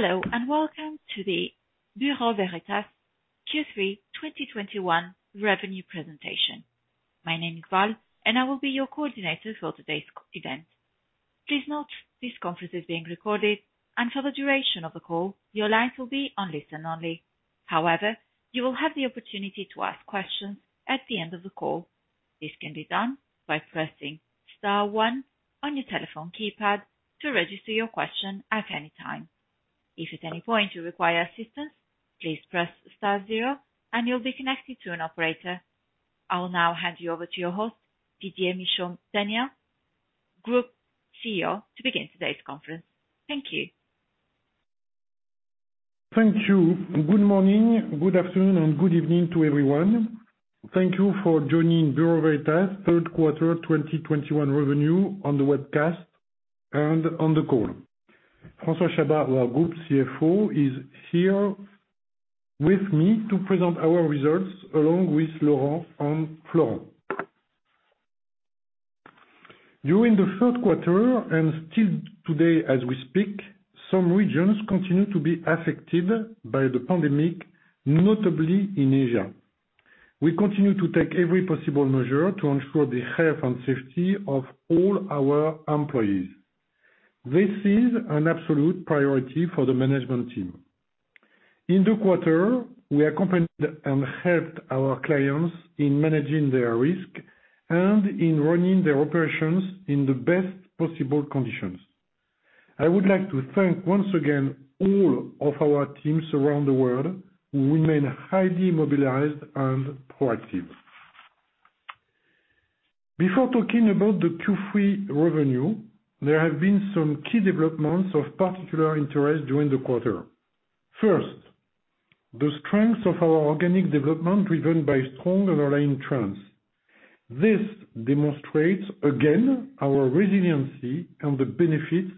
Hello, and welcome to the Bureau Veritas Q3 2021 Revenue Presentation. My name is Val, and I will be your coordinator for today's event. Please note this conference is being recorded, and for the duration of the call, your lines will be on listen-only. However, you will have the opportunity to ask questions at the end of the call. This can be done by pressing star one on your telephone keypad to register your question at any time. If at any point you require assistance, please press star zero and you'll be connected to an operator. I'll now hand you over to your host, Didier Michaud-Daniel, Group CEO, to begin today's conference. Thank you. Thank you. Good morning, good afternoon, and good evening to everyone. Thank you for joining Bureau Veritas' third quarter 2021 revenue on the webcast and on the call. François Chabas, our Group CFO, is here with me to present our results along with Laurent and Florent. During the third quarter, and still today as we speak, some regions continue to be affected by the pandemic, notably in Asia. We continue to take every possible measure to ensure the health and safety of all our employees. This is an absolute priority for the management team. In the quarter, we accompanied and helped our clients in managing their risk and in running their operations in the best possible conditions. I would like to thank once again all of our teams around the world who remain highly mobilized and proactive. Before talking about the Q3 revenue, there have been some key developments of particular interest during the quarter. First, the strength of our organic development driven by strong underlying trends. This demonstrates again our resiliency and the benefits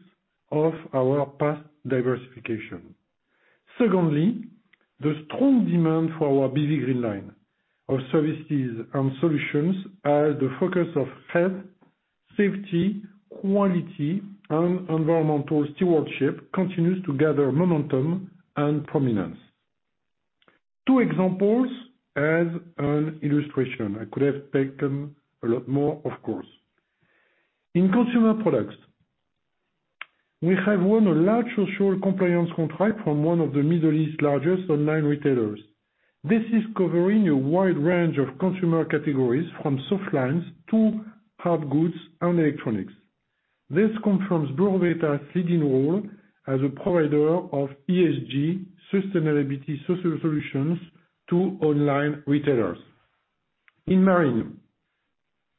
of our past diversification. Secondly, the strong demand for our BV Green Line of services and solutions as the focus of health, safety, quality, and environmental stewardship continues to gather momentum and prominence. Two examples as an illustration. I could have taken a lot more, of course. In Consumer Products, we have won a large social compliance contract from one of the Middle East's largest online retailers. This is covering a wide range of consumer categories from soft lines to hard goods and electronics. This confirms Bureau Veritas' leading role as a provider of ESG sustainability social solutions to online retailers. In marine,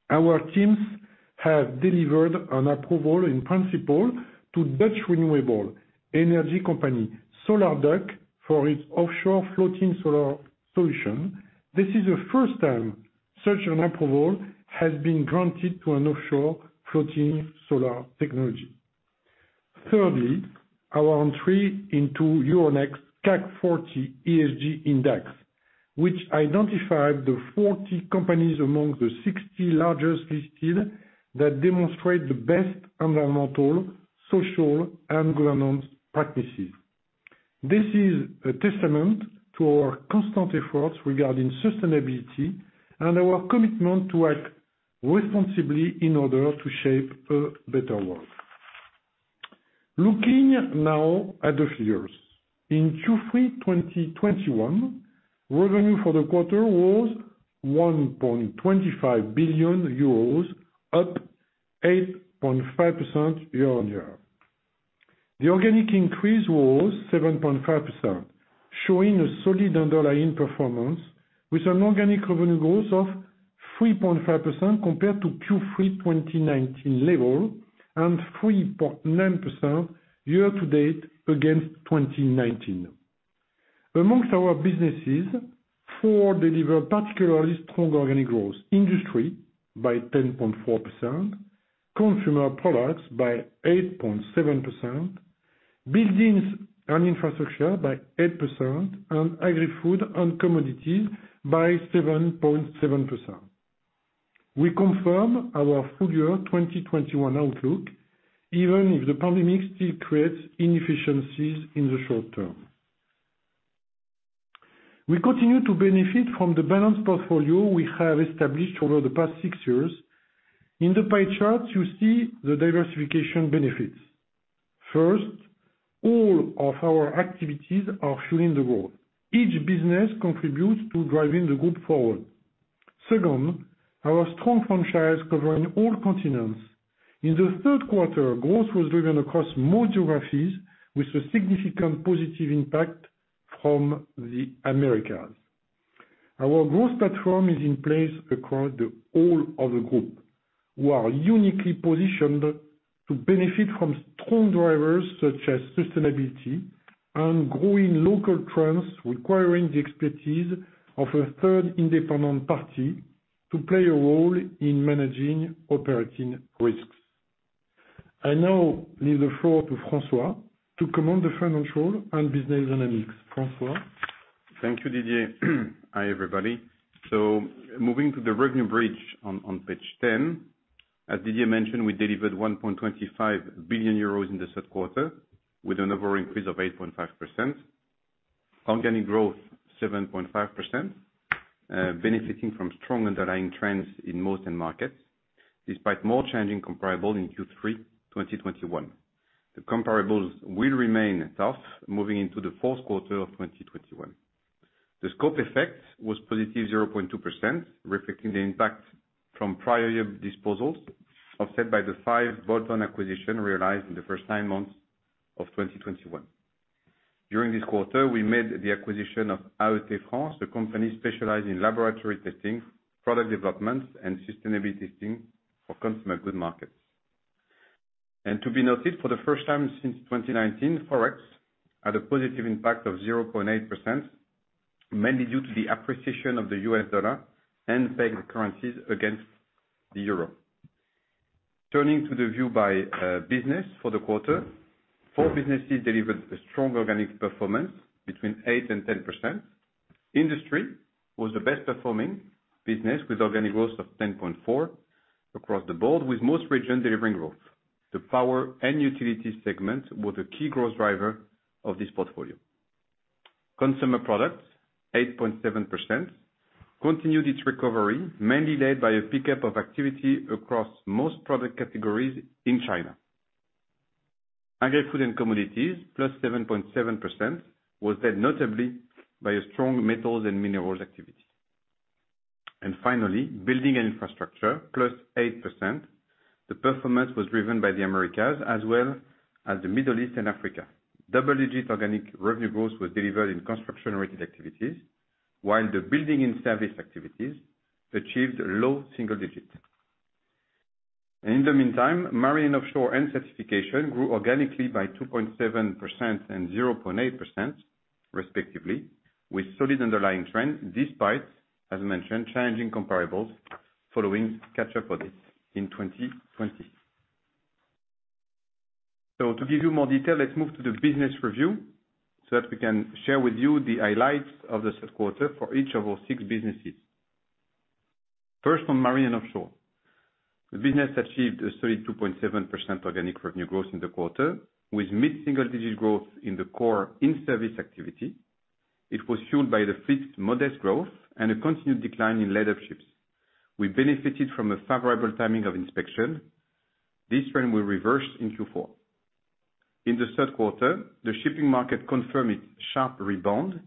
our teams have delivered an approval in principle to Dutch renewable energy company SolarDuck for its offshore floating solar solution. This is the first time such an approval has been granted to an offshore floating solar technology. Thirdly, our entry into Euronext's CAC 40 ESG Index, which identified the 40 companies among the 60 largest listed that demonstrate the best environmental, social, and governance practices. This is a testament to our constant efforts regarding sustainability and our commitment to act responsibly in order to shape a better world. Looking now at the figures. In Q3 2021, revenue for the quarter was 1.25 billion euros, up 8.5% year-on-year. The organic increase was 7.5%, showing a solid underlying performance with an organic revenue growth of 3.5% compared to Q3 2019 level and 3.9% year-to-date against 2019. Among our businesses, four delivered particularly strong organic growth: Industry by 10.4%, Consumer Products by 8.7%, Buildings & Infrastructure by 8%, and Agri-Food & Commodities by 7.7%. We confirm our full year 2021 outlook, even if the pandemic still creates inefficiencies in the short term. We continue to benefit from the balanced portfolio we have established over the past six years. In the pie chart, you see the diversification benefits. First, all of our activities are fueling the growth. Each business contributes to driving the group forward. Second, our strong franchise covering all continents. In the third quarter, growth was driven across more geographies with a significant positive impact from the Americas. Our growth platform is in place across the whole of the group. We are uniquely positioned to benefit from strong drivers such as sustainability and growing local trends requiring the expertise of a third independent party to play a role in managing operating risks. I now leave the floor to François to comment on the financial and business dynamics. François? Thank you, Didier. Hi, everybody. Moving to the revenue bridge on page 10. As Didier mentioned, we delivered 1.25 billion euros in the third quarter with an overall increase of 8.5%. Organic growth 7.5%, benefiting from strong underlying trends in most end markets, despite more challenging comparable in Q3 2021. The comparables will remain tough moving into the fourth quarter of 2021. The scope effect was positive 0.2%, reflecting the impact from prior year disposals, offset by the five bolt-on acquisition realized in the first nine months of 2021. During this quarter, we made the acquisition of AET France, a company specialized in laboratory testing, product development and sustainability testing for consumer goods markets. To be noted, for the first time since 2019, forex had a positive impact of 0.8%, mainly due to the appreciation of the U.S. dollar and pegged currencies against the euro. Turning to the view by business for the quarter, four businesses delivered a strong organic performance between 8%-10%. Industry was the best performing business with organic growth of 10.4% across the board, with most regions delivering growth. The power and utility segment was a key growth driver of this portfolio. Consumer Products, 8.7%, continued its recovery, mainly led by a pickup of activity across most product categories in China. Agri-Food & Commodities, +7.7%, was led notably by a strong metals and minerals activity. Finally, Buildings & Infrastructure, +8%. The performance was driven by the Americas as well as the Middle East and Africa. Double-digit organic revenue growth was delivered in construction-related activities, while the building and service activities achieved low single digits. In the meantime, Marine & Offshore and Certification grew organically by 2.7% and 0.8% respectively, with solid underlying trend despite, as mentioned, challenging comparables following catch-up audits in 2020. To give you more detail, let's move to the business review so that we can share with you the highlights of this quarter for each of our six businesses. First, on Marine & Offshore. The business achieved a solid 2.7% organic revenue growth in the quarter with mid-single digit growth in the core in-service activity. It was fueled by the fleet's modest growth and a continued decline in laid-up ships. We benefited from the favorable timing of inspection. This trend will reverse in Q4. In the third quarter, the shipping market confirmed its sharp rebound,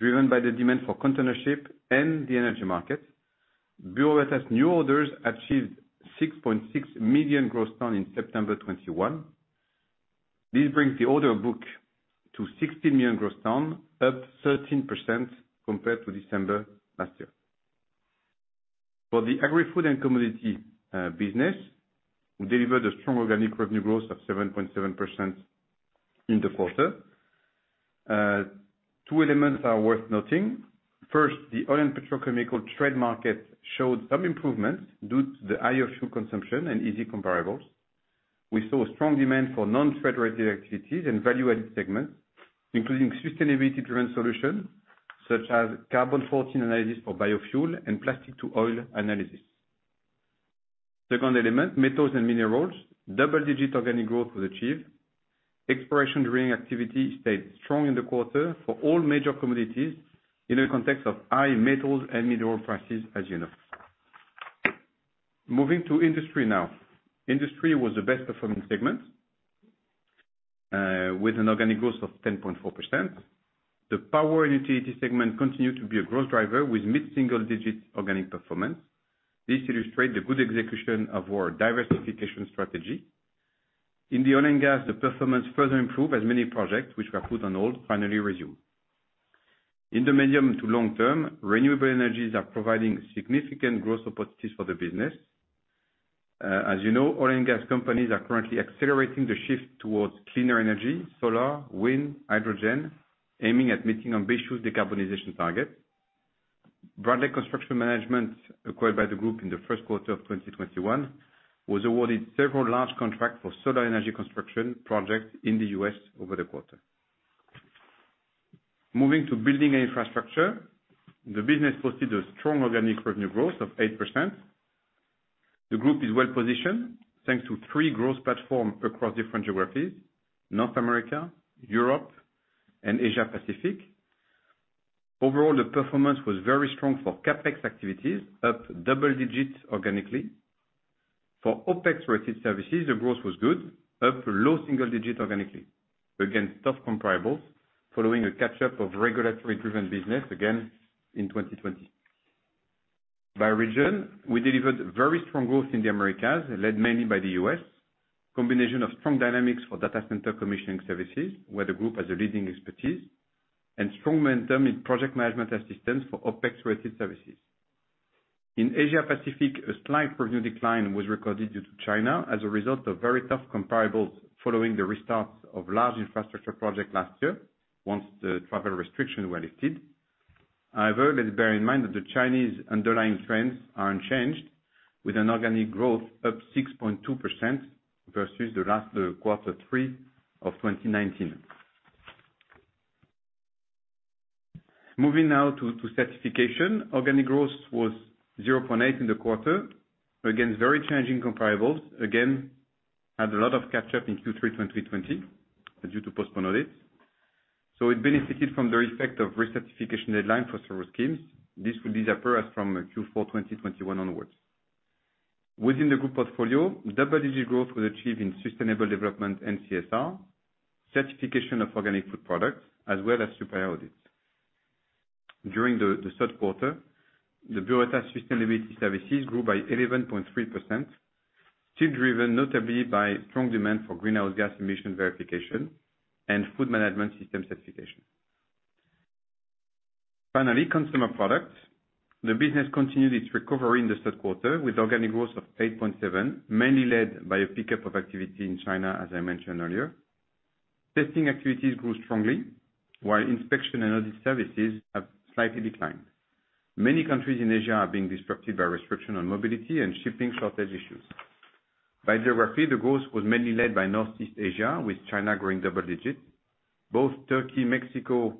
driven by the demand for container ship and the energy market. Bureau Veritas new orders achieved 6.6 million gross tons in September 2021. This brings the order book to 60 million gross tons, up 13% compared to December last year. For the Agri-Food & Commodities business, we delivered a strong organic revenue growth of 7.7% in the quarter. Two elements are worth noting. First, the oil and petrochemical trade market showed some improvement due to the higher fuel consumption and easy comparables. We saw strong demand for non-trade-related activities and value-added segments, including sustainability-driven solutions such as carbon footprint analysis for biofuel and plastic-to-oil analysis. Second element, metals and minerals. Double-digit organic growth was achieved. Exploration and mining activity stayed strong in the quarter for all major commodities in a context of high metals and mineral prices, as you know. Moving to industry now. Industry was the best performing segment with an organic growth of 10.4%. The power and utility segment continued to be a growth driver with mid-single digit organic performance. This illustrates the good execution of our diversification strategy. In the oil and gas, the performance further improved as many projects which were put on hold finally resume. In the medium to long term, renewable energies are providing significant growth opportunities for the business. As you know, oil and gas companies are currently accelerating the shift towards cleaner energy, solar, wind, hydrogen, aiming at meeting ambitious decarbonization targets. Bradley Construction Management, acquired by the group in the first quarter of 2021, was awarded several large contracts for solar energy construction projects in the U.S. over the quarter. Moving to Buildings & Infrastructure. The business posted a strong organic revenue growth of 8%. The group is well-positioned, thanks to three growth platforms across different geographies: North America, Europe, and Asia Pacific. Overall, the performance was very strong for CapEx activities, up double digits organically. For OpEx-related services, the growth was good, up low single digit organically. Again, tough comparables following a catch-up of regulatory-driven business, again, in 2020. By region, we delivered very strong growth in the Americas, led mainly by the U.S. Combination of strong dynamics for data center commissioning services, where the group has a leading expertise, and strong momentum in project management assistance for OpEx-related services. In Asia Pacific, a slight revenue decline was recorded due to China as a result of very tough comparables following the restart of large infrastructure projects last year once the travel restrictions were lifted. However, let's bear in mind that the Chinese underlying trends are unchanged with an organic growth up 6.2% versus the last quarter three of 2019. Moving now to certification. Organic growth was 0.8% in the quarter. Again, very challenging comparables. Again, had a lot of catch up in Q3 2020 due to postponement. So it benefited from the effect of recertification deadline for several schemes. This will disappear as from Q4 2021 onwards. Within the group portfolio, double-digit growth was achieved in sustainable development and CSR, certification of organic food products, as well as supplier audits. During the third quarter, the Bureau Veritas sustainability services grew by 11.3%, still driven notably by strong demand for Greenhouse gas emission verification and food management system certification. Finally, Consumer Products. The business continued its recovery in the third quarter with organic growth of 8.7%, mainly led by a pickup of activity in China, as I mentioned earlier. Testing activities grew strongly, while inspection and audit services have slightly declined. Many countries in Asia are being disrupted by restriction on mobility and shipping shortage issues. By geography, the growth was mainly led by Northeast Asia, with China growing double-digit. Both Turkey and Mexico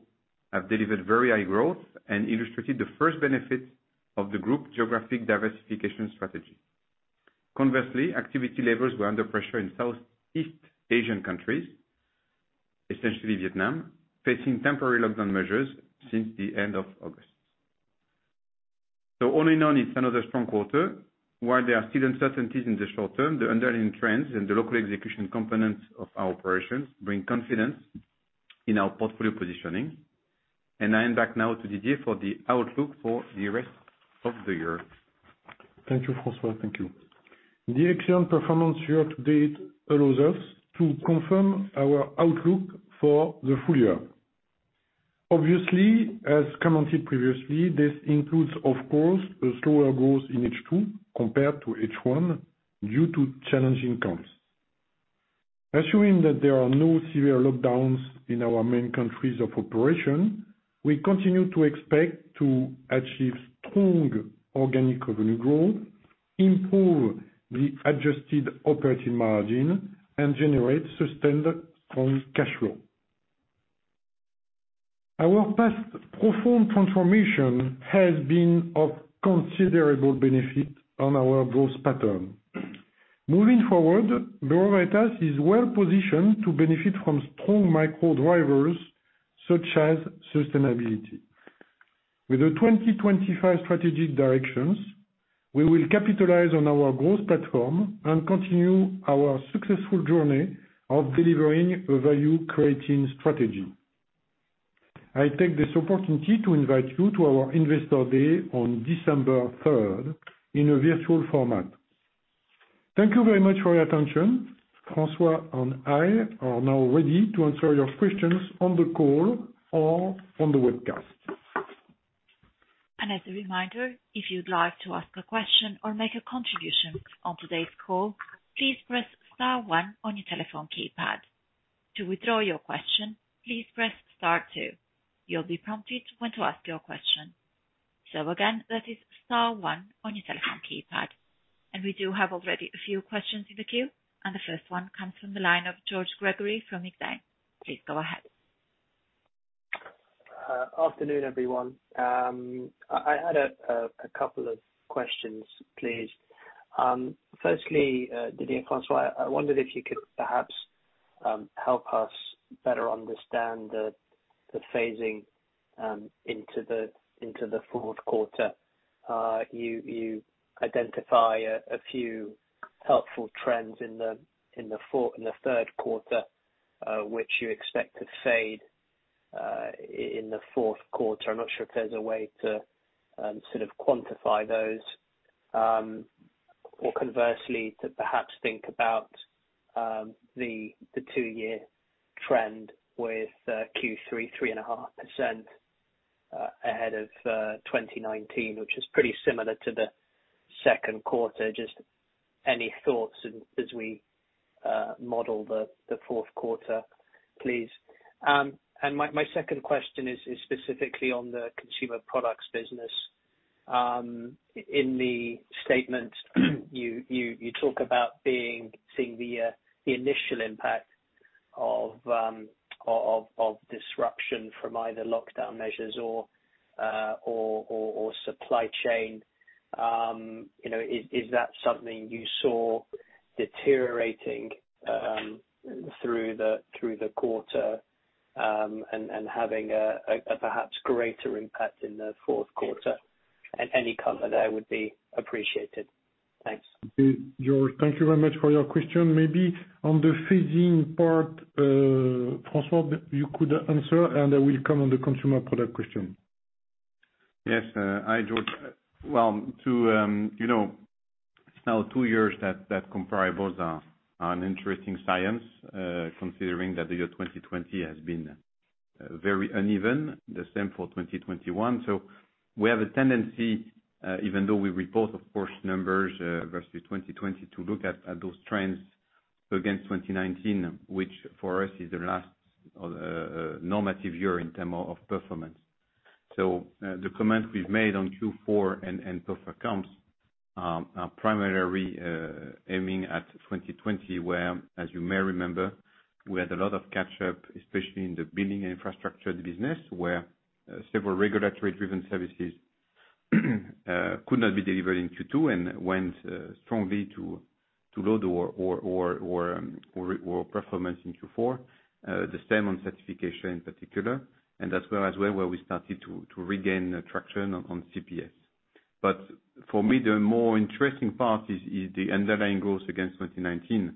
have delivered very high growth and illustrated the first benefit of the group geographic diversification strategy. Conversely, activity levels were under pressure in Southeast Asian countries, essentially Vietnam, facing temporary lockdown measures since the end of August. All in all, it's another strong quarter. While there are still uncertainties in the short term, the underlying trends and the local execution components of our operations bring confidence in our portfolio positioning. I hand back now to Didier for the outlook for the rest of the year. Thank you, François, thank you. The excellent performance year-to-date allows us to confirm our outlook for the full year. Obviously, as commented previously, this includes of course, a slower growth in H2 compared to H1 due to challenging comps. Assuming that there are no severe lockdowns in our main countries of operation, we continue to expect to achieve strong organic revenue growth, improve the adjusted operating margin, and generate sustained strong cash flow. Our past profound transformation has been of considerable benefit on our growth pattern. Moving forward, Bureau Veritas is well positioned to benefit from strong micro drivers such as sustainability. With the 2025 strategy directions, we will capitalize on our growth platform and continue our successful journey of delivering a value creating strategy. I take this opportunity to invite you to our Investor Day on December 3rd in a virtual format. Thank you very much for your attention. François and I are now ready to answer your questions on the call or on the webcast. As a reminder, if you'd like to ask a question or make a contribution on today's call, please press star one on your telephone keypad. To withdraw your question, please press star two. You'll be prompted when to ask your question. Again, that is star one on your telephone keypad. We do have already a few questions in the queue, and the first one comes from the line of George Gregory from Exane. Please go ahead. Afternoon, everyone. I had a couple of questions, please. Firstly, Didier, François, I wondered if you could perhaps help us better understand the phasing into the fourth quarter. You identify a few helpful trends in the third quarter, which you expect to fade in the fourth quarter. I'm not sure if there's a way to sort of quantify those, or conversely to perhaps think about the two-year trend with Q3 3.5% ahead of 2019, which is pretty similar to the second quarter. Just any thoughts as we model the fourth quarter, please. My second question is specifically on the Consumer Products business. In the statement you talk about seeing the initial impact of disruption from either lockdown measures or supply chain. You know, is that something you saw deteriorating through the quarter, and having a perhaps greater impact in the fourth quarter? Any color there would be appreciated. Thanks. Okay. George, thank you very much for your question. Maybe on the phasing part, François, you could answer, and I will come on the Consumer Products question. Yes. Hi, George. Well, you know, it's now two years that comparables are an interesting science, considering that the year 2020 has been very uneven, the same for 2021. We have a tendency, even though we report of course numbers versus 2020 to look at those trends against 2019, which for us is the last normal year in terms of performance. The comment we've made on Q4 and tough comps are primarily aiming at 2020, whereas you may remember, we had a lot of catch-up, especially in the Buildings & Infrastructure of the business, where several regulatory-driven services could not be delivered in Q2 and went strongly to Q4. The same on Certification in particular, and as well as where we started to regain traction on CPS. For me, the more interesting part is the underlying growth against 2019,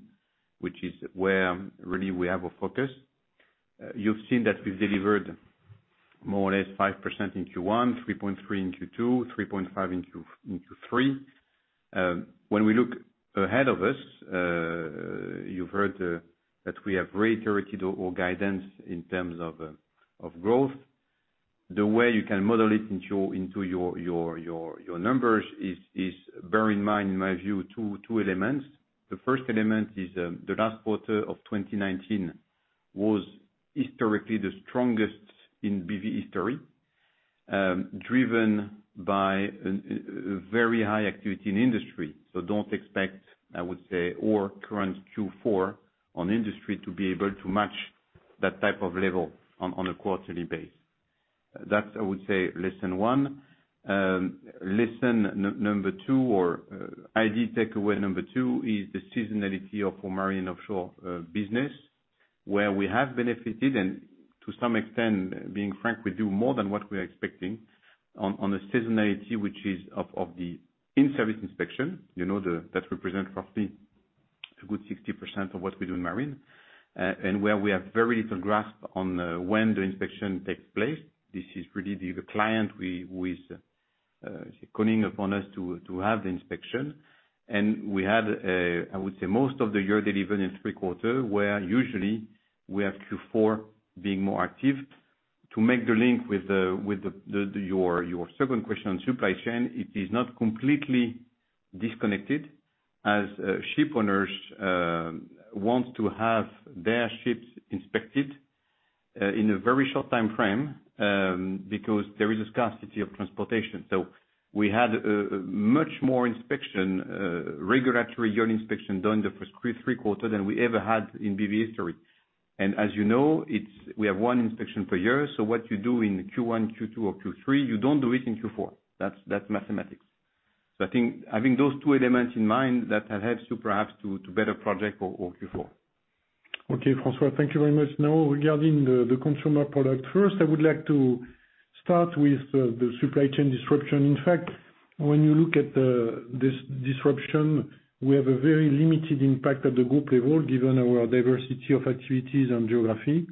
which is where really we have a focus. You've seen that we've delivered more or less 5% in Q1, 3.3% in Q2, 3.5% in Q3. When we look ahead of us, you've heard that we have reiterated our guidance in terms of growth. The way you can model it into your numbers is bear in mind, in my view, two elements. The first element is the last quarter of 2019 was historically the strongest in BV history, driven by very high activity in Industry. Don't expect, I would say, our current Q4 on Industry to be able to match that type of level on a quarterly basis. That's, I would say, lesson one. Lesson number two or key takeaway number two is the seasonality of our Marine & Offshore business, where we have benefited and to some extent, being frank with you, more than what we're expecting on a seasonality, which is of the in-service inspection. You know, that represents roughly a good 60% of what we do in Marine & Offshore, and where we have very little grasp on when the inspection takes place. This is really the client who is calling upon us to have the inspection. We had, I would say, most of the year delivered in Q3, where usually we have Q4 being more active. To make the link with your second question on supply chain, it is not completely disconnected as ship owners want to have their ships inspected in a very short time frame because there is a scarcity of transportation. We had much more inspection regulatory year inspection done in the first three quarters than we ever had in BV history. As you know, we have one inspection per year. What you do in Q1, Q2, or Q3, you don't do it in Q4. That's mathematics. I think those two elements in mind that helps you perhaps to better project for Q4. Okay, François, thank you very much. Now regarding the Consumer Products, first, I would like to start with the supply chain disruption. In fact, when you look at this disruption, we have a very limited impact at the group level, given our diversity of activities and geography.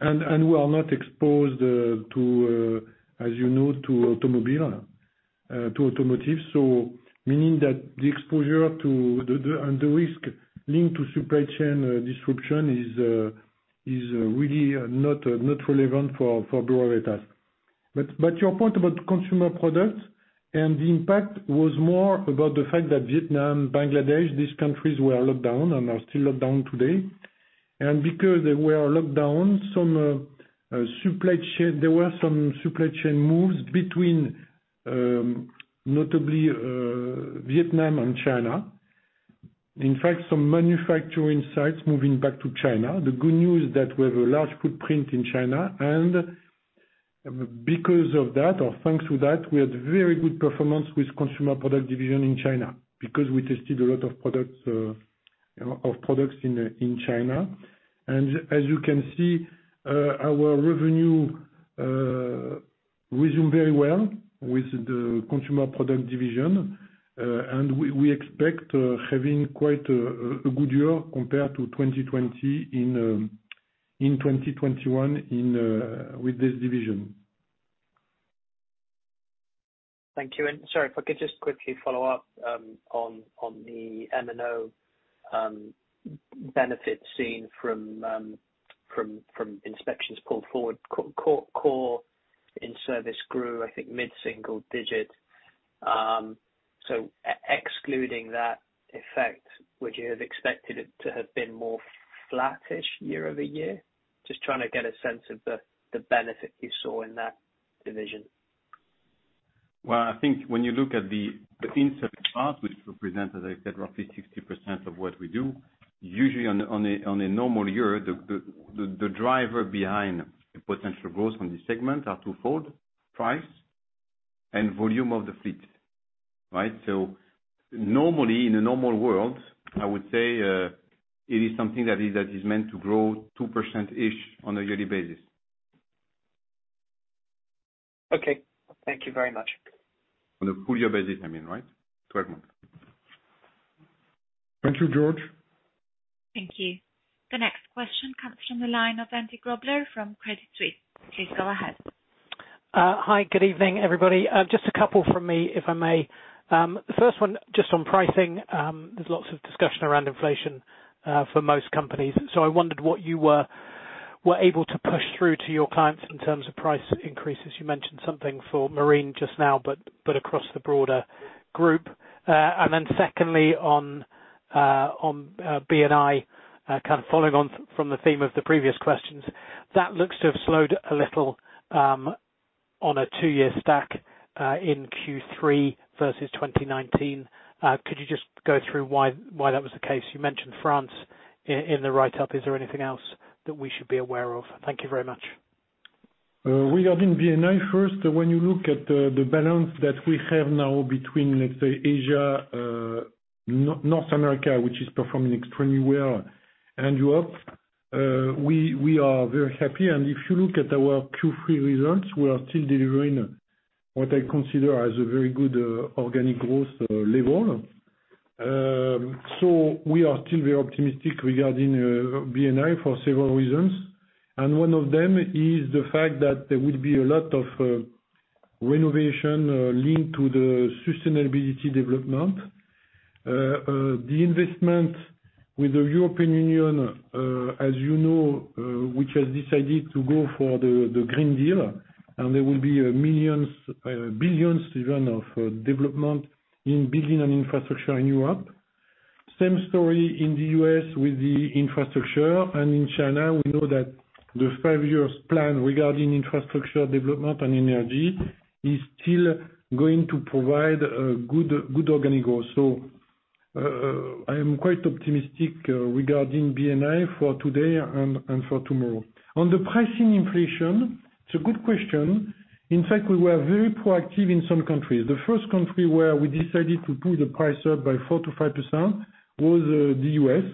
We are not exposed, as you know, to automotive. Meaning that the exposure to the risk linked to supply chain disruption is really not relevant for Bureau Veritas. Your point about Consumer Products and the impact was more about the fact that Vietnam, Bangladesh, these countries were on lockdown and are still locked down today. Because they were on lockdown, some supply chain moves between, notably, Vietnam and China. In fact, some manufacturing sites moving back to China. The good news is that we have a large footprint in China. Because of that or thanks to that, we had very good performance with Consumer Products division in China because we tested a lot of products in China. As you can see, our revenue resumed very well with the Consumer Products division. We expect having quite a good year compared to 2020 in 2021 with this division. Thank you. Sorry if I could just quickly follow up on the M&O benefit seen from inspections pulled forward. Core in-service grew, I think, mid-single digit. Excluding that effect, would you have expected it to have been more flattish year-over-year? Just trying to get a sense of the benefit you saw in that division. Well, I think when you look at the in-service part, which represents, as I said, roughly 60% of what we do. Usually on a normal year, the driver behind the potential growth from this segment are twofold, price and volume of the fleet, right? Normally, in a normal world, I would say, it is something that is meant to grow 2%-ish on a yearly basis. Okay. Thank you very much. On a full year basis, I mean, right? 12 months. Thank you, George. Thank you. The next question comes from the line of Andy Grobler from Credit Suisse. Please go ahead. Hi. Good evening, everybody. Just a couple from me, if I may. The first one just on pricing. There's lots of discussion around inflation for most companies. I wondered what you were able to push through to your clients in terms of price increases. You mentioned something for marine just now, but across the broader group. Secondly, on B&I, kind of following on from the theme of the previous questions. That looks to have slowed a little, on a two-year stack, in Q3 versus 2019. Could you just go through why that was the case? You mentioned France in the write-up. Is there anything else that we should be aware of? Thank you very much. Regarding B&I first, when you look at the balance that we have now between, let's say Asia, North America, which is performing extremely well, and Europe, we are very happy. If you look at our Q3 results, we are still delivering what I consider as a very good organic growth level. We are still very optimistic regarding B&I for several reasons. One of them is the fact that there will be a lot of renovation linked to the sustainable development. The investment with the European Union, as you know, which has decided to go for the Green Deal, and there will be millions, even billions, of development in Buildings & Infrastructure in Europe. Same story in the U.S. with the infrastructure, and in China we know that the five-year plan regarding infrastructure development and energy is still going to provide a good organic growth. I am quite optimistic regarding B&I for today and for tomorrow. On the pricing inflation, it's a good question. In fact, we were very proactive in some countries. The first country where we decided to pull the price up by 4%-5% was the U.S.,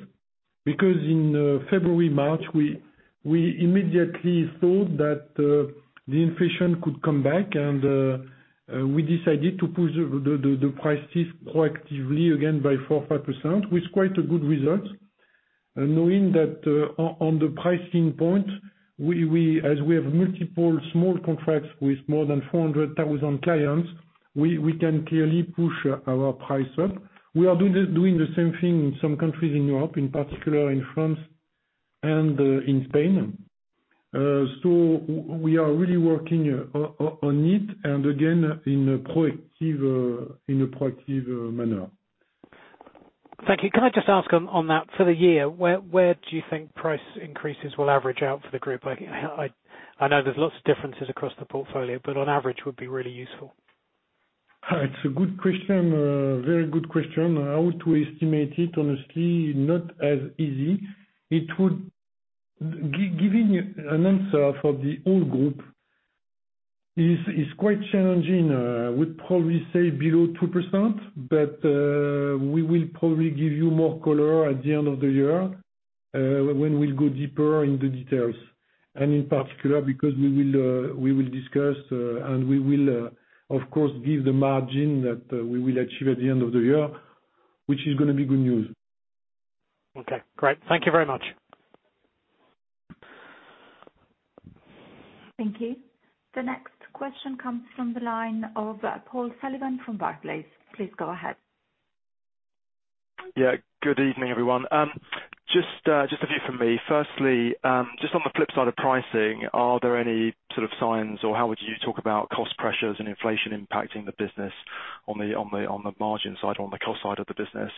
because in February, March, we immediately thought that the inflation could come back. We decided to push the prices proactively again by 4% or 5% with quite a good result. Knowing that, on the pricing point, we, as we have multiple small contracts with more than 400,000 clients, we can clearly push our price up. We are doing the same thing in some countries in Europe, in particular in France and in Spain. We are really working on it and again in a proactive manner. Thank you. Can I just ask on that, for the year where do you think price increases will average out for the group? I know there's lots of differences across the portfolio, but on average would be really useful. It's a good question. Very good question. How to estimate it, honestly, not as easy. Giving an answer for the whole group is quite challenging. Would probably say below 2%, but we will probably give you more color at the end of the year, when we'll go deeper in the details. In particular, because we will discuss and we will, of course, give the margin that we will achieve at the end of the year, which is gonna be good news. Okay, great. Thank you very much. Thank you. The next question comes from the line of Paul Sullivan from Barclays. Please go ahead. Yeah, good evening, everyone. Just a few from me. Firstly, just on the flip side of pricing, are there any sort of signs or how would you talk about cost pressures and inflation impacting the business on the margin side or on the cost side of the business?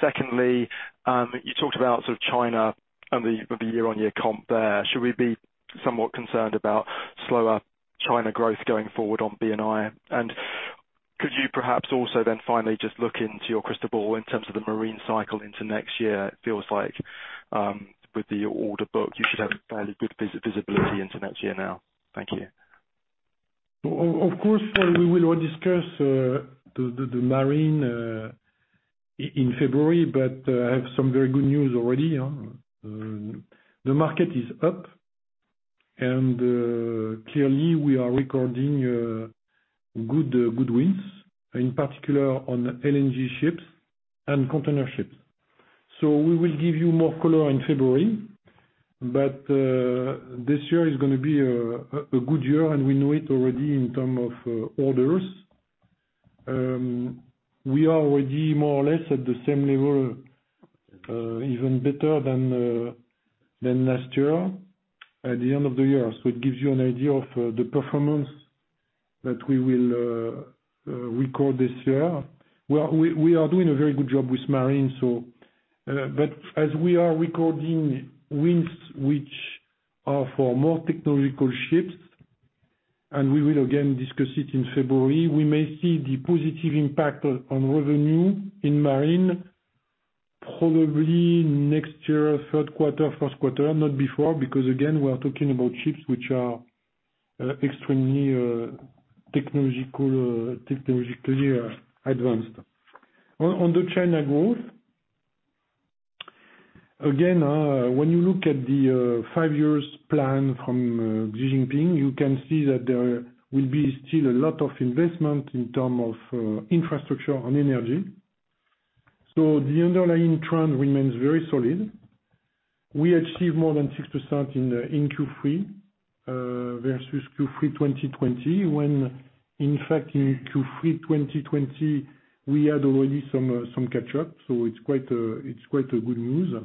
Secondly, you talked about sort of China and the year-on-year comp there. Should we be somewhat concerned about slower China growth going forward on B&I? And could you perhaps also then finally just look into your crystal ball in terms of the Marine cycle into next year? It feels like with the order book you should have fairly good visibility into next year now. Thank you. Of course, we will discuss the Marine in February, but I have some very good news already on the market is up and clearly we are recording good wins, in particular on LNG ships and container ships. We will give you more color in February, but this year is gonna be a good year and we know it already in terms of orders. We are already more or less at the same level, even better than last year at the end of the year. It gives you an idea of the performance that we will record this year. We are doing a very good job with Marine, but as we are recording wins which are for more technological ships, and we will again discuss it in February, we may see the positive impact on revenue in Marine probably next year, third quarter, first quarter, not before, because again, we are talking about ships which are extremely technologically advanced. On the China growth, again, when you look at the five-year plan from Xi Jinping, you can see that there will be still a lot of investment in terms of infrastructure and energy. The underlying trend remains very solid. We achieved more than 6% in Q3 versus Q3 2020, when in fact in Q3 2020 we had already some catch-up. It's quite a good news.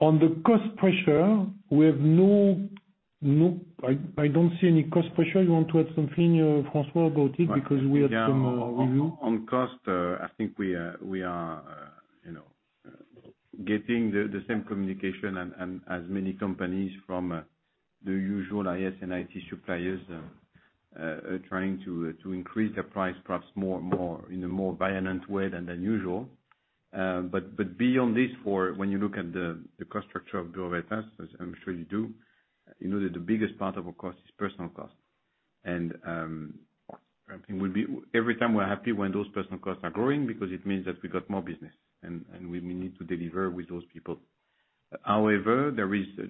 On the cost pressure, I don't see any cost pressure. You want to add something, François, about it? Because we had some review. On cost, I think we are, you know, getting the same communication as many companies from the usual IS and IT suppliers are trying to increase their price perhaps more and more in a more violent way than usual. Beyond this, when you look at the cost structure of Bureau Veritas, as I'm sure you do, you know that the biggest part of our cost is personnel cost. I think we'll be happy every time those personnel costs are growing, because it means that we got more business and we need to deliver with those people. However,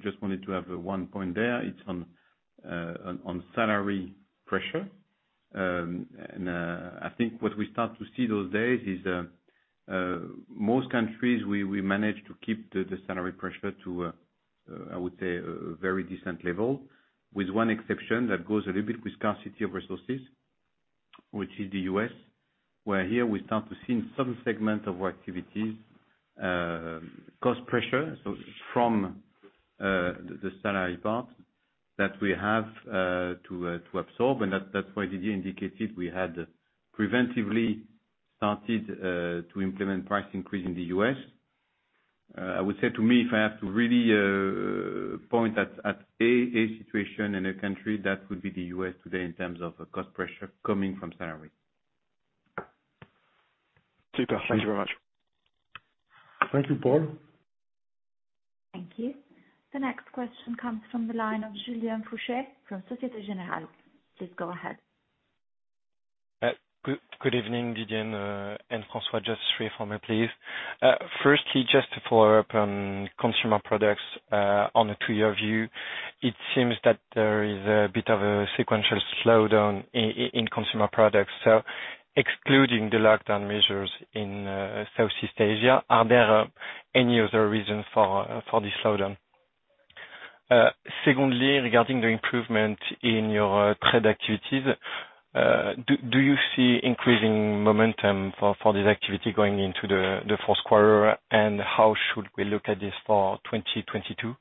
just wanted to have one point there. It's on salary pressure. I think what we start to see those days is most countries, we manage to keep the salary pressure to I would say a very decent level, with one exception that goes a little bit with scarcity of resources, which is the U.S., where we start to see in some segment of our activities cost pressure. From the salary part that we have to absorb, and that's why Didier indicated we had preventively started to implement price increase in the U.S. I would say to me, if I have to really point at a situation in a country that would be the U.S. today in terms of cost pressure coming from salary. Super. Thank you very much. Thank you, Paul. Thank you. The next question comes from the line of Julien Fouché from Societe Generale. Please go ahead. Good evening, Didier and François. Just three for me, please. Firstly, just to follow up on Consumer Products, on a two-year view, it seems that there is a bit of a sequential slowdown in Consumer Products. Excluding the lockdown measures in Southeast Asia, are there any other reasons for this slowdown? Secondly, regarding the improvement in your trade activities, do you see increasing momentum for this activity going into the fourth quarter? How should we look at this for 2022?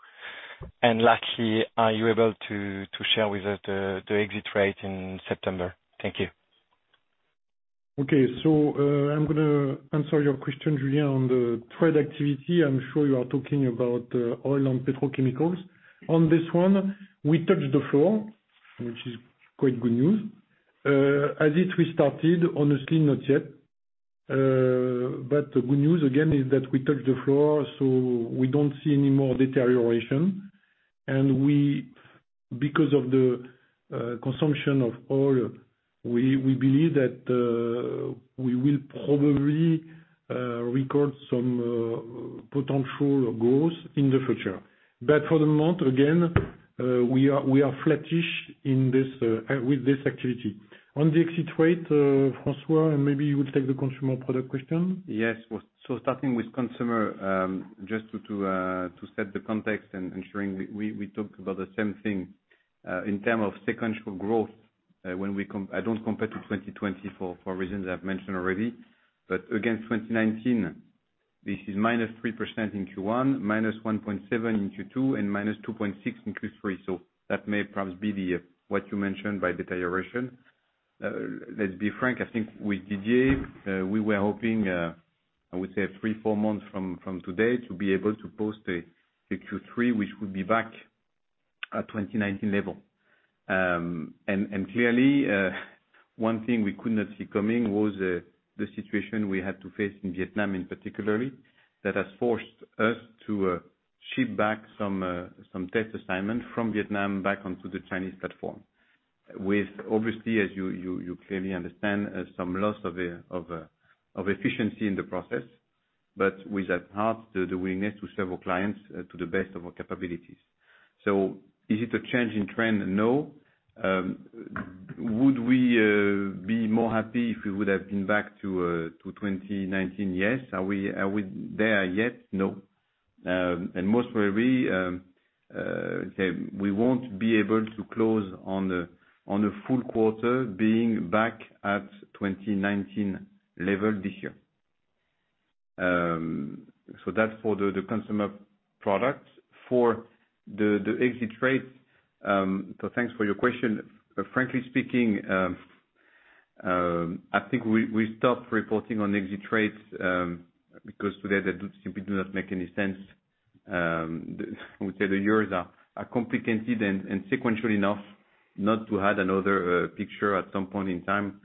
Lastly, are you able to share with us the exit rate in September? Thank you. Okay. I'm gonna answer your question, Julien, on the trade activity. I'm sure you are talking about oil and petrochemicals. On this one, we touched the floor, which is quite good news. As if we started, honestly not yet. The good news again is that we touched the floor, so we don't see any more deterioration. We, because of the consumption of oil, we believe that we will probably record some potential growth in the future. For the month again, we are flattish in this with this activity. On the exit rate, François, and maybe you will take the Consumer Products question. Yes. Starting with consumer, just to set the context and ensuring we talk about the same thing, in terms of sequential growth, I don't compare to 2020 for reasons I've mentioned already, but against 2019, this is -3% in Q1, -1.7% in Q2 and -2.6% in Q3. That may perhaps be what you mentioned by deterioration. Let's be frank, I think with Didier, we were hoping, I would say ,three, four months from today to be able to post a Q3, which would be back at 2019 level. Clearly, one thing we could not see coming was the situation we had to face in Vietnam in particular, that has forced us to ship back some test assignments from Vietnam back onto the Chinese platform. With obviously, as you clearly understand, some loss of efficiency in the process, but with at heart the willingness to serve our clients to the best of our capabilities. Is it a change in trend? No. Would we be more happy if we would have been back to 2019? Yes. Are we there yet? No. Most probably, say we won't be able to close on a full quarter being back at 2019 level this year. That's for the Consumer Products. For the exit rates, thanks for your question. Frankly speaking, I think we stopped reporting on exit rates because today they simply do not make any sense. I would say the years are complicated and sequential enough not to add another picture at some point in time.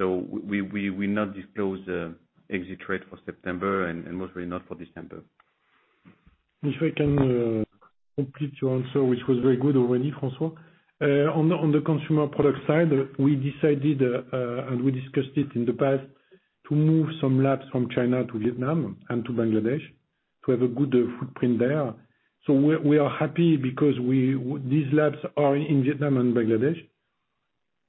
We will not disclose exit rate for September and most likely not for December. If I can complete your answer, which was very good already, François. On the Consumer Products side, we decided, and we discussed it in the past, to move some labs from China to Vietnam and to Bangladesh to have a good footprint there. We are happy because these labs are in Vietnam and Bangladesh.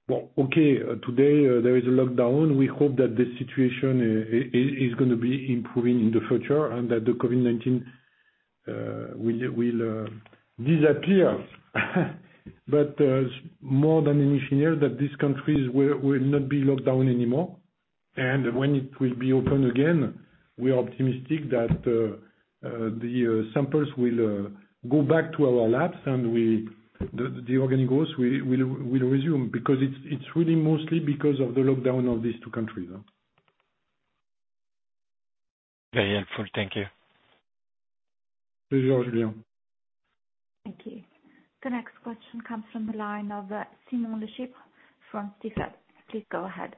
Well, okay, today there is a lockdown. We hope that the situation is gonna be improving in the future and that the COVID-19 will disappear more than anything else, that these countries will not be locked down anymore. When it will be open again, we are optimistic that the samples will go back to our labs and the organic growth will resume because it's really mostly because of the lockdown of these two countries. Very helpful. Thank you. Please do, Julien. Thank you. The next question comes from the line of Simon Lechipre from Stifel. Please go ahead.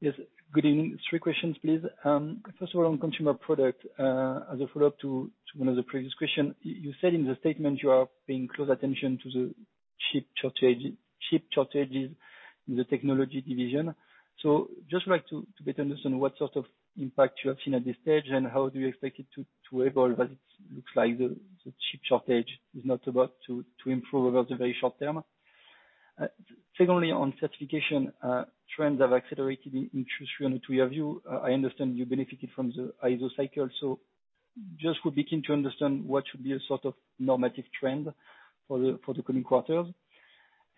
Yes, good evening. Three questions, please. First of all, on Consumer Products, as a follow-up to one of the previous questions, you said in the statement you are paying close attention to the chip shortage, chip shortages in the technology division. So just like to better understand what sort of impact you have seen at this stage, and how do you expect it to evolve, as it looks like the chip shortage is not about to improve over the very short term. Second, on Certification, trends have accelerated in Q3 and Q4. I understand you benefited from the ISO cycle, so just to begin to understand what should be a sort of normative trend for the coming quarters.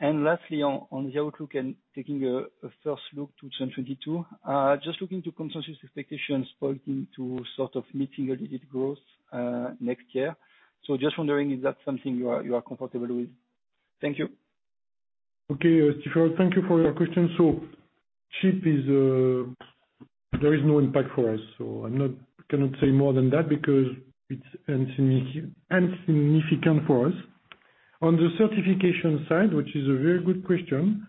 Lastly, on the outlook and taking a first look to 2022, just looking to consensus expectations pointing to sort of mid-single-digit growth next year. Just wondering if that's something you are comfortable with. Thank you. Okay, Simon, thank you for your question. Chips, there is no impact for us, so I cannot say more than that because it's insignificant for us. On the certification side, which is a very good question,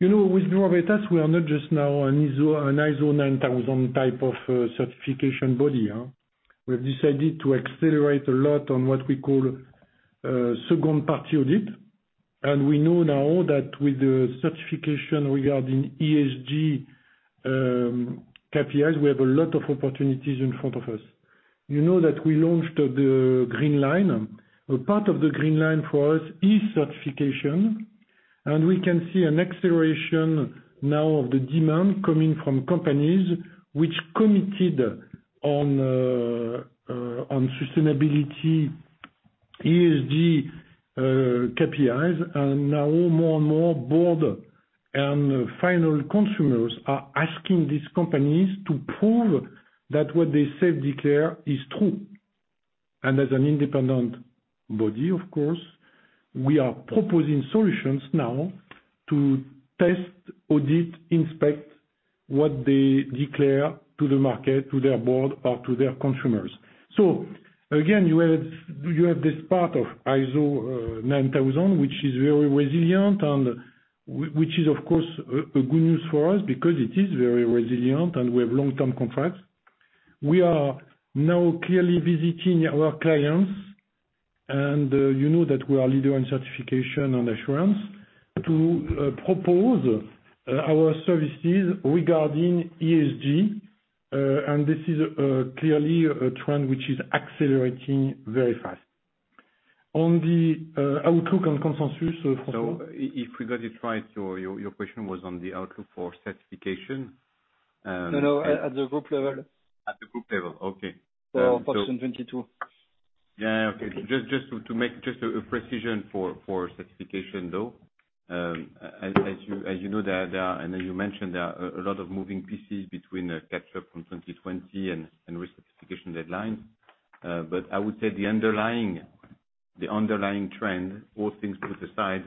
you know, with Bureau Veritas, we are not just now an ISO 9000 type of certification body. We've decided to accelerate a lot on what we call second-party audit. We know now that with the certification regarding ESG KPIs, we have a lot of opportunities in front of us. You know that we launched the Green Line. A part of the Green Line for us is certification, and we can see an acceleration now of the demand coming from companies which committed on sustainability, ESG KPIs. Now more and more board and final consumers are asking these companies to prove that what they self-declare is true. As an independent body, of course, we are proposing solutions now to test, audit, inspect what they declare to the market, to their board, or to their consumers. Again, you have this part of ISO 9000, which is very resilient and which is, of course, a good news for us because it is very resilient, and we have long-term contracts. We are now clearly visiting our clients, and you know that we are leader in certification and assurance, to propose our services regarding ESG, and this is clearly a trend which is accelerating very fast. On the outlook and consensus for- If we got it right, your question was on the outlook for certification. No, at the group level. At the group level, okay. For 2022. Yeah, okay. Just to make a precision for Certification, though. As you know, and as you mentioned, there are a lot of moving pieces between a catch up from 2020 and recertification deadlines. But I would say the underlying trend, all things put aside,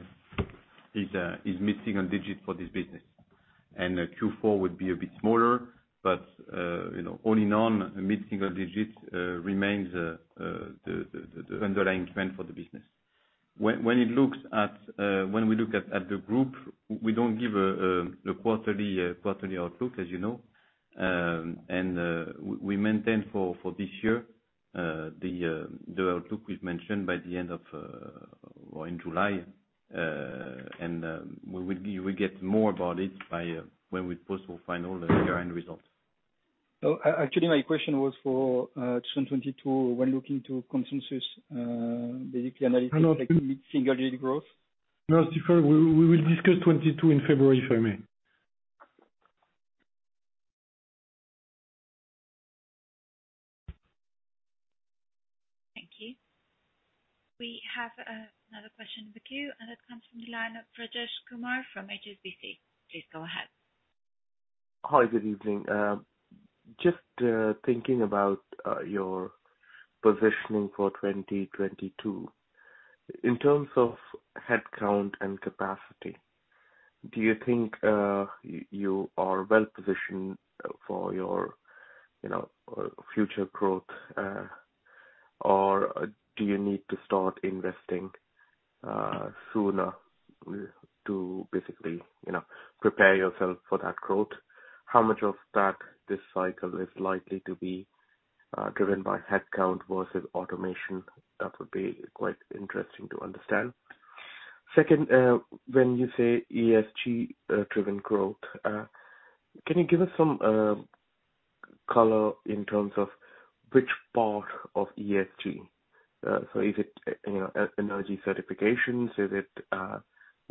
is mid-single-digit for this business. Q4 would be a bit smaller, but you know, all in all, mid-single digits remains the underlying trend for the business. When we look at the group, we don't give a quarterly outlook, as you know. We maintain for this year the outlook we've mentioned by the end of or in July. We get more about it by when we post our final year-end results. Actually, my question was for 2022, when looking to consensus, basically analytics. No, no- Like mid-single digit growth. No, Simon, we will discuss 2022 in February, if I may. Thank you. We have another question in the queue, and it comes from the line of Rajesh Kumar from HSBC. Please go ahead. Hi, good evening. Just thinking about your positioning for 2022. In terms of headcount and capacity, do you think you are well-positioned for your, you know, future growth? Or do you need to start investing sooner to basically, you know, prepare yourself for that growth? How much of that this cycle is likely to be driven by headcount versus automation? That would be quite interesting to understand. Second, when you say ESG driven growth, can you give us some color in terms of which part of ESG? So is it, you know, energy certifications? Is it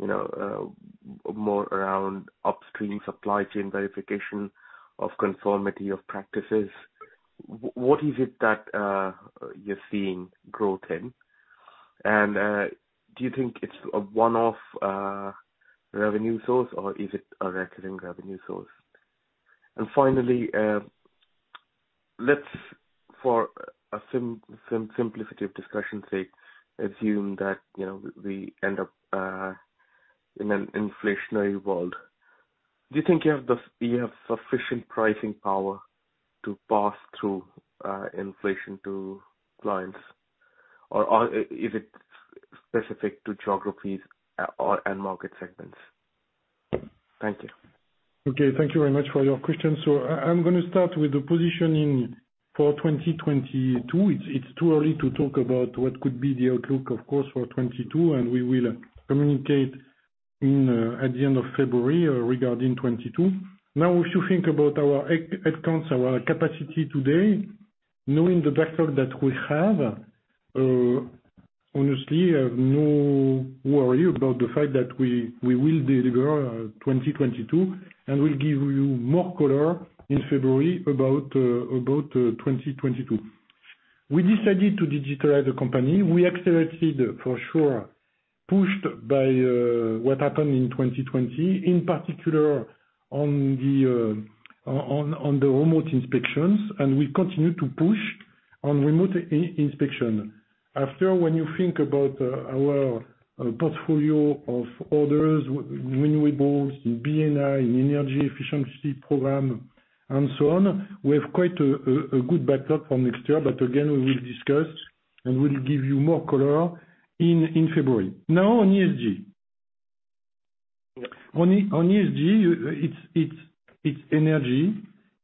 you know more around upstream supply chain verification of conformity of practices? What is it that you're seeing growth in? Do you think it's a one-off revenue source or is it a recurring revenue source? Finally, let's for a simplicity of discussion sake, assume that, you know, we end up in an inflationary world. Do you think you have sufficient pricing power to pass through inflation to clients? Or is it specific to geographies or and market segments? Thank you. Okay. Thank you very much for your questions. I'm gonna start with the positioning for 2022. It's too early to talk about what could be the outlook of course for 2022, and we will communicate at the end of February regarding 2022. Now, if you think about our headcounts, our capacity today, knowing the backlog that we have, honestly, I have no worry about the fact that we will deliver 2022, and we'll give you more color in February about 2022. We decided to digitalize the company. We accelerated for sure, pushed by what happened in 2020, in particular on the remote inspections and we continue to push on remote inspection. After when you think about our portfolio of orders, renewables, B&I and energy efficiency program and so on, we have quite a good backlog for next year. But again, we will discuss and we'll give you more color in February. Now on ESG. On ESG, it's energy,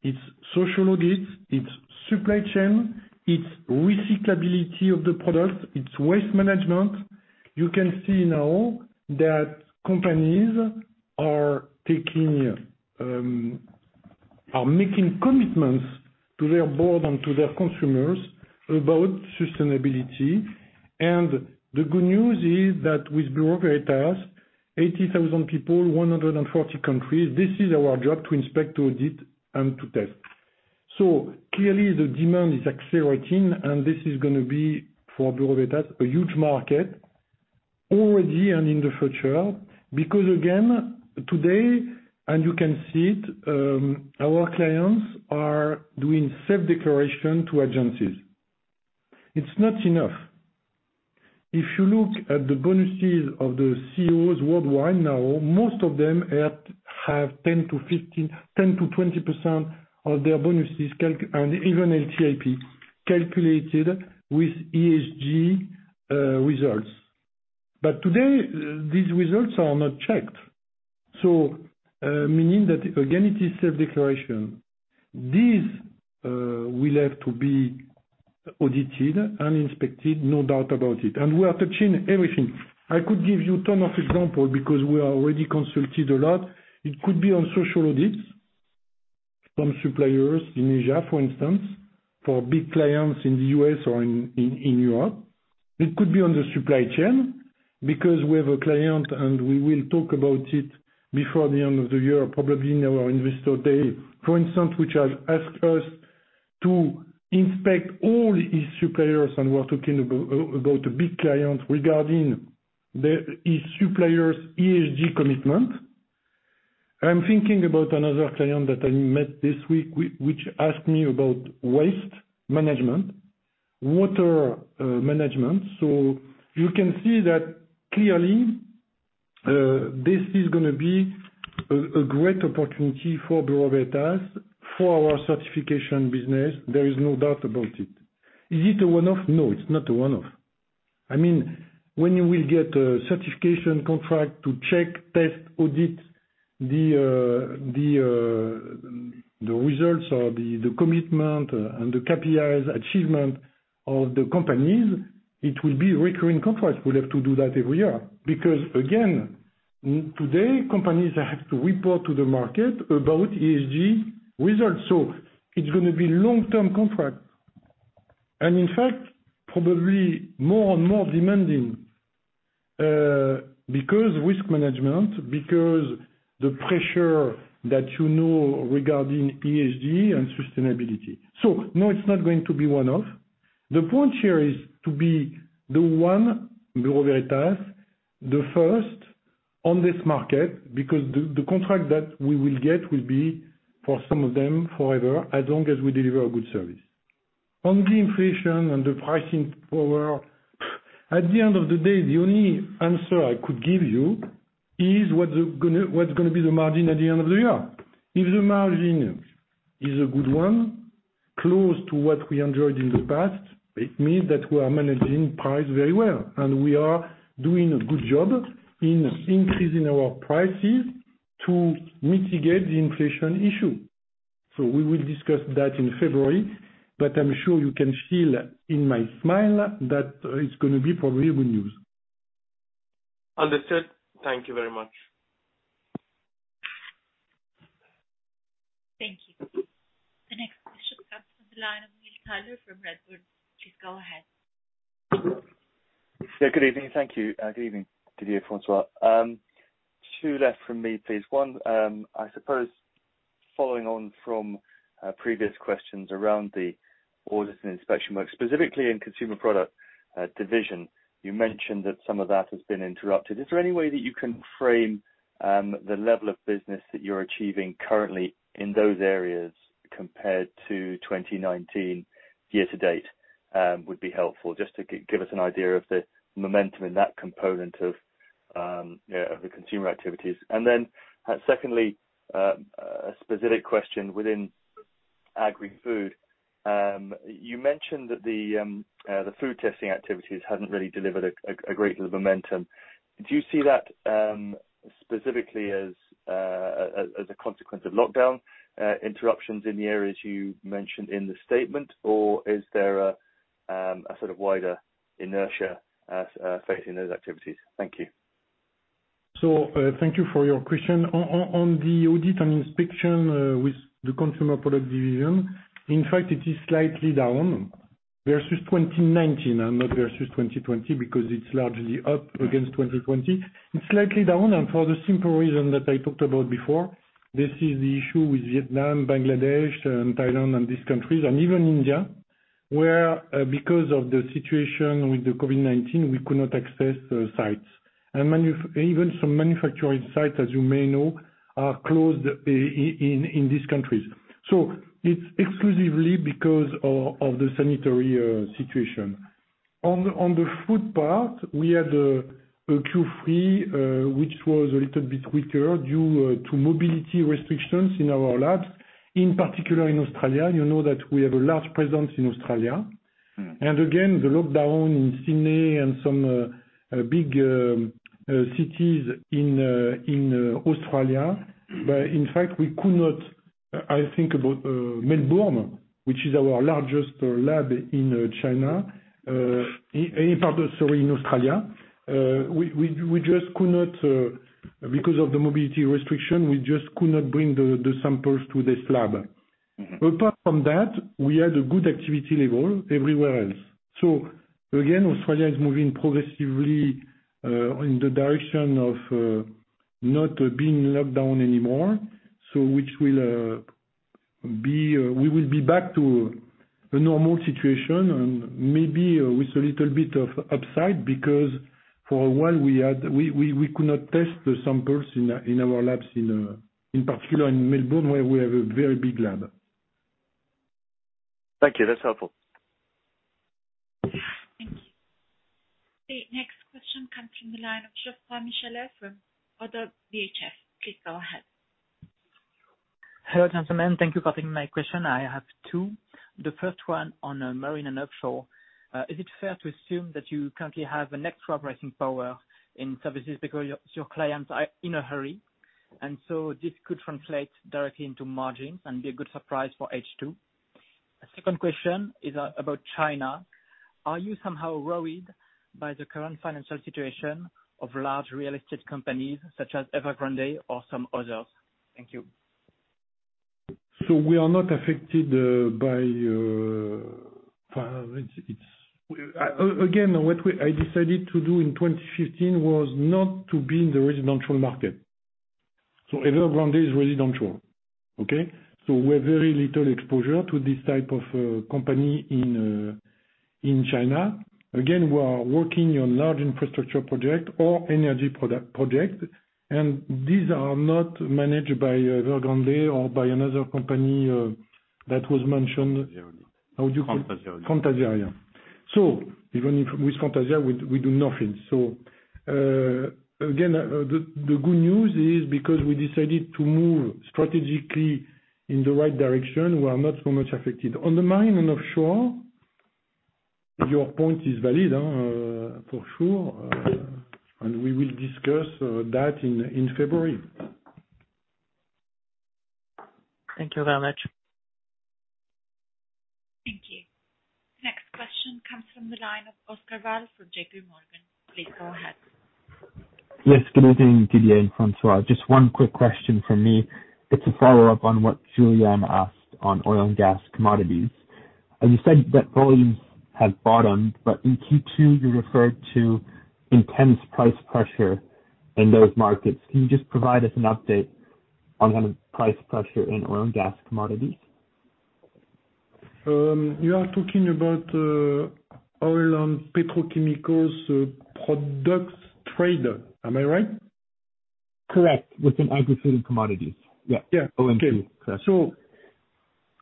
it's social audits, it's supply chain, it's recyclability of the products, it's waste management. You can see now that companies are making commitments to their board and to their consumers about sustainability. The good news is that with Bureau Veritas, 80,000 people, 140 countries, this is our job to inspect, to audit and to test. Clearly the demand is accelerating, and this is gonna be for Bureau Veritas, a huge market already and in the future. Again, today and you can see it, our clients are doing self-declaration to agencies. It's not enough. If you look at the bonuses of the CEOs worldwide now, most of them have 10%-20% of their bonuses calculated and even LTIP, calculated with ESG results. Today, these results are not checked. Meaning that again, it is self-declaration. This will have to be audited and inspected, no doubt about it. We are touching everything. I could give you a ton of examples, because we are already consulted a lot. It could be on social audits, from suppliers in Asia, for instance, for big clients in the U.S. or in Europe. It could be on the supply chain because we have a client and we will talk about it before the end of the year, probably in our investor day, for instance, which has asked us to inspect all his suppliers, and we're talking about a big client regarding the, his suppliers' ESG commitment. I'm thinking about another client that I met this week, which asked me about waste management, water, management. You can see that clearly, this is gonna be a great opportunity for Bureau Veritas for our Certification business. There is no doubt about it. Is it a one-off? No, it's not a one-off. I mean, when you will get a Certification contract to check, test, audit the results or the commitment, and the KPIs achievement of the companies, it will be recurring contracts. We'll have to do that every year. Again, today companies have to report to the market about ESG results. It's gonna be long-term contract. In fact, probably more and more demanding, because risk management, because the pressure that you know regarding ESG and sustainability. No, it's not going to be one-off. The point here is to be the one, Bureau Veritas, the first on this market because the contract that we will get will be for some of them forever, as long as we deliver a good service. On the inflation and the pricing power, at the end of the day, the only answer I could give you is what's gonna be the margin at the end of the year. If the margin is a good one, close to what we enjoyed in the past, it means that we are managing price very well, and we are doing a good job in increasing our prices to mitigate the inflation issue. We will discuss that in February, but I'm sure you can feel in my smile that it's gonna be probably good news. Understood. Thank you very much. Thank you. The next question comes from the line of Neil Tyler from Redburn. Please go ahead. Yeah, good evening. Thank you. Good evening Didier and François. Two left from me, please. One, following on from previous questions around the orders and inspection work, specifically in Consumer Products division, you mentioned that some of that has been interrupted. Is there any way that you can frame the level of business that you're achieving currently in those areas compared to 2019 year-to-date, would be helpful, just to give us an idea of the momentum in that component of yeah, of the consumer activities. Then, secondly, a specific question within Agri-Food. You mentioned that the food testing activities hadn't really delivered a great deal of momentum. Do you see that specifically as a consequence of lockdown interruptions in the areas you mentioned in the statement? Or is there a sort of wider inertia facing those activities? Thank you. Thank you for your question. On the audit and inspection with the Consumer Products division, in fact, it is slightly down versus 2019 and not versus 2020, because it's largely up against 2020. It's slightly down, and for the simple reason that I talked about before. This is the issue with Vietnam, Bangladesh, and Thailand and these countries, and even India, where because of the situation with the COVID-19, we could not access the sites. Even some manufacturing sites, as you may know, are closed in these countries. It's exclusively because of the sanitary situation. On the food part, we had a Q3 which was a little bit weaker due to mobility restrictions in our labs, in particular, in Australia. You know that we have a large presence in Australia. Again, the lockdown in Sydney and some big cities in Australia, but in fact, we could not. I think about Melbourne, which is our largest lab in China, in part, sorry, in Australia. We just could not because of the mobility restriction. We just could not bring the samples to this lab. Apart from that, we had a good activity level everywhere else. Again, Australia is moving progressively in the direction of not being in lockdown anymore, so we will be back to a normal situation and maybe with a little bit of upside, because for a while we could not test the samples in our labs, in particular in Melbourne, where we have a very big lab. Thank you. That's helpful. Thank you. The next question comes from the line of Jean-François Delpech from ODDO BHF. Please go ahead. Hello, gentlemen. Thank you for taking my question. I have two. The first one on Marine & Offshore. Is it fair to assume that you currently have an extra pricing power in services because your clients are in a hurry, and so this could translate directly into margins and be a good surprise for H2? A second question is about China. Are you somehow worried by the current financial situation of large real estate companies such as Evergrande or some others? Thank you. We are not affected by it. Again, what I decided to do in 2015 was not to be in the residential market. Evergrande is residential. Okay? We have very little exposure to this type of company in China. Again, we are working on large infrastructure project or energy project, and these are not managed by Evergrande or by another company that was mentioned. Fantasia. How do you- Fantasia. Fantasia, yeah. Even if, with Fantasia, we do nothing. Again, the good news is because we decided to move strategically in the right direction, we are not so much affected. On the Marine & Offshore, your point is valid, for sure. We will discuss that in February. Thank you very much. Thank you. Next question comes from the line of Oscar Val Mas from JPMorgan. Please go ahead. Yes, good evening, Didier and François. Just one quick question from me. It's a follow-up on what Julien asked on oil and gas commodities. As you said that volumes have bottomed, but in Q2 you referred to intense price pressure in those markets. Can you just provide us an update on the price pressure in oil and gas commodities? You are talking about oil and petrochemicals products trade, am I right? Correct. Within Agri-Food & Commodities. Yeah. O&G. Okay.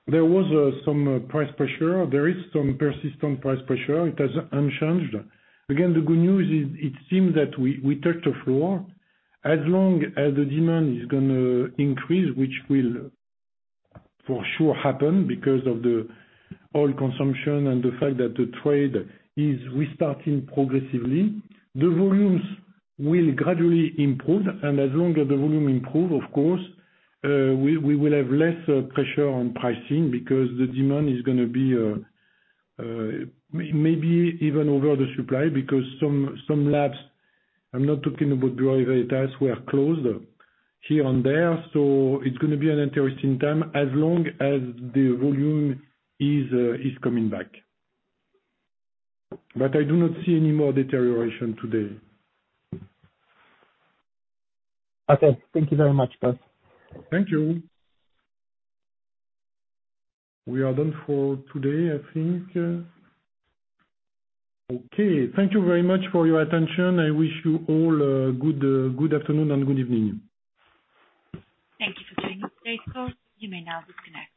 There was some price pressure. There is some persistent price pressure. It has unchanged. Again, the good news is it seems that we touched the floor. As long as the demand is gonna increase, which will for sure happen because of the oil consumption and the fact that the trade is restarting progressively, the volumes will gradually improve. As long as the volume improve, of course, we will have less pressure on pricing because the demand is gonna be maybe even over the supply, because some labs, I'm not talking about Boral, were closed here and there. It's gonna be an interesting time as long as the volume is coming back. I do not see any more deterioration today. Okay. Thank you very much, boss. Thank you. We are done for today, I think. Okay, thank you very much for your attention. I wish you all a good afternoon and good evening. Thank you for joining today's call. You may now disconnect.